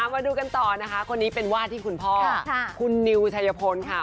มาดูกันต่อนะคะคนนี้เป็นวาดที่คุณพ่อคุณนิวชัยพลค่ะ